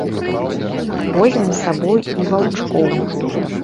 Возьмем з сабою і ваўчкоў.